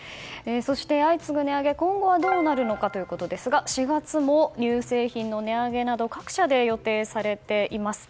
そして相次ぐ値上げ、今後はどうなるのかということですが４月も乳製品の値上げなど各社で予定されています。